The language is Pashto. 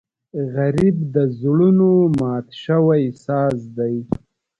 غریب د زړونو مات شوی ساز دی